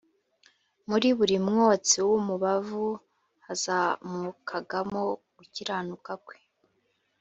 Muri buri mwotsi w’umubavu hazamukagamo gukiranuka Kwe.